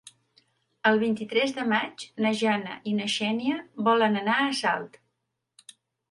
El vint-i-tres de maig na Jana i na Xènia volen anar a Salt.